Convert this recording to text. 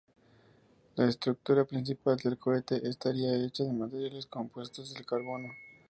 La estructura principal del cohete estaría hecha de materiales compuestos al carbono.